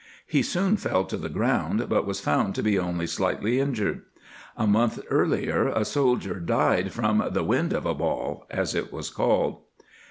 He soon fell to the ground, but was found to be only slightly injured.^ A month earlier a soldier died from the " wind of a ball," as it was called.